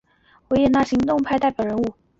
维也纳行动派代表人物。